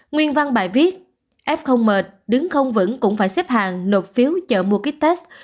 nguyên văn bài viết f mệt đứng không vững cũng phải xếp hàng nộp phiếu chở mua ký test